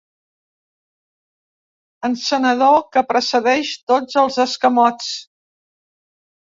Encenedor que precedeix tots els escamots.